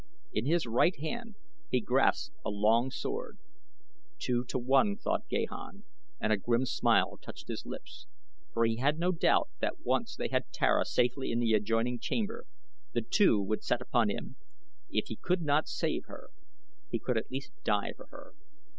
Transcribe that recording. In his right hand he grasped a long sword. "Two to one," thought Gahan, and a grim smile touched his lips, for he had no doubt that once they had Tara safely in the adjoining chamber the two would set upon him. If he could not save her, he could at least die for her.